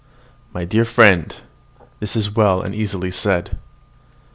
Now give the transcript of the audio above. My dear friend, this is well and easily said.